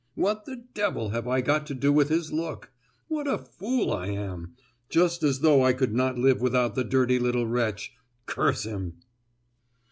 What the devil have I got to do with his look? what a fool I am—just as though I could not live without the dirty little wretch—curse him!"